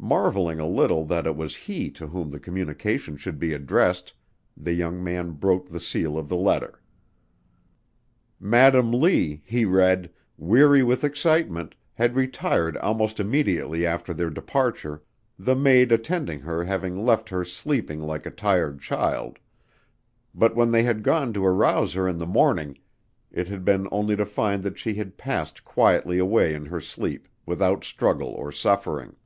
Marveling a little that it was he to whom the communication should be addressed, the young man broke the seal of the letter. Madam Lee, he read, weary with excitement, had retired almost immediately after their departure, the maid attending her having left her sleeping like a tired child; but when they had gone to arouse her in the morning, it had been only to find that she had passed quietly away in her sleep without struggle or suffering.